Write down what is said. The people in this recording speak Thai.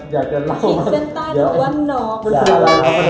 หีทเส้นใต้เรียกว่านก